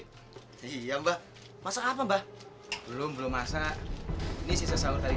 hai kamu ridh iya mbah masa apa mbah belum belum masa ini sisa sahur dari